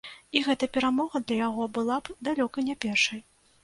І гэта перамога для яго была б далёка не першай.